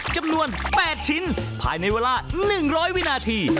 จำนวน๘ชิ้นภายในเวลา๑๐๐วินาที